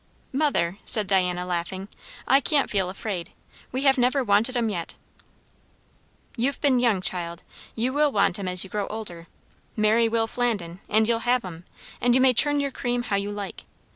"Mother," said Diana, laughing, "I can't feel afraid. We have never wanted 'em yet." "You've been young, child. You will want 'em as you grow older. Marry Will Flandin, and you'll have 'em; and you may churn your cream how you like.